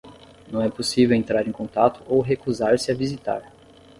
Não é possível entrar em contato ou recusar-se a visitar